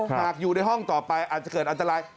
หากอยู่ในห้องต่อไปอาจจะเกิดอันตราย